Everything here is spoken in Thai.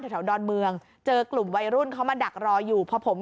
แถวดอนเมืองเจอกลุ่มวัยรุ่นเขามาดักรออยู่พอผม